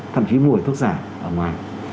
thậm chí mùi thuốc giả ở ngoài